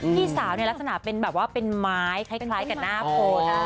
พี่สาวเนี่ยลักษณะแบบว่ามายคล้ายกับหน้าโคน